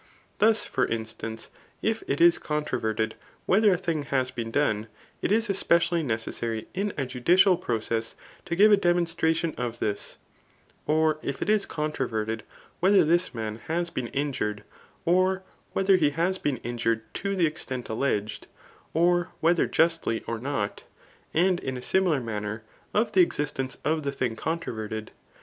Thus for instance, if it is controverted whether a thing has beesk done, it is especially necessary in a judicial process to give a demonstration of this; or if it is controverted whe ther this man has been injured, or whether he has beea injured to the extent alleged, or whether justly or not. And in a similar manner of the existence of the thing controverted.